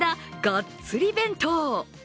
がっつり弁当。